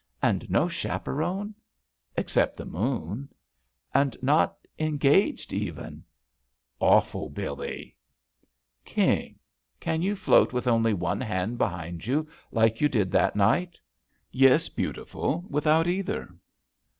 And no chaperone!" "Except the moon." "And not — engaged, even!" "Awful, Billee!" JUST SWEETHEARTS "King, can you float with only one hand behind you, like you did that night?" "Yes, Beautiful, without either."